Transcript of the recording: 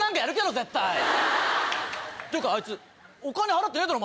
絶対！というかあいつお金払ってねえだろ！